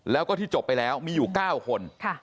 แล้วก็ที่จบไปแล้วมีอยู่๙คน